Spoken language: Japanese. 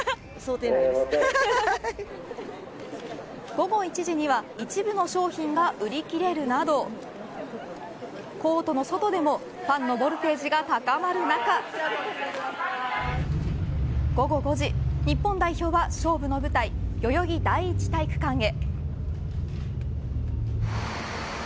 午後１時には一部の商品が売り切れるなどコートの外でもファンのボルテージが高まる中午後５時、日本代表は勝負の舞台代々木第一体育館へ。